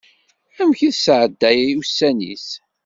Amek i tesɛedday ussan-is?